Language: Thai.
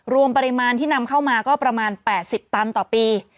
รวมปริมาณที่นำเข้ามาก็ประมาณ๘๐ตันต่อปี